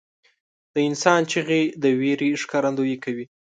• د انسان چیغې د وېرې ښکارندویي کوي.